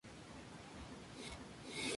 Participó en Miss Europa.